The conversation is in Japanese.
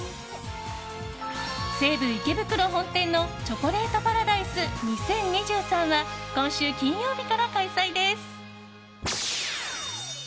西武池袋本店のチョコレートパラダイス２０２３は今週金曜日から開催です。